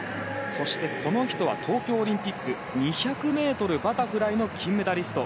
この人は東京オリンピック２００ｍバタフライの金メダリスト。